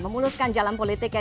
memuluskan jalan politik ya